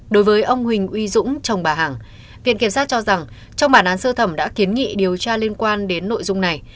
đối với ông huỳnh uy dũng chồng bà hằng viện kiểm sát cho rằng trong bản án sơ thẩm đã kiến nghị điều tra liên quan đến nội dung này